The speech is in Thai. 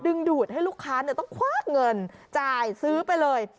ดูดให้ลูกค้าต้องควักเงินจ่ายซื้อไปเลย